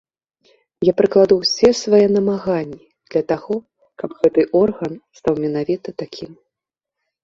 Я прыкладу ўсе свае намаганні для таго, каб гэты орган стаў менавіта такім.